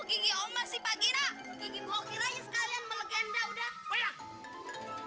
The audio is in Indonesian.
gigi gue kira kira sekalian melegenda udah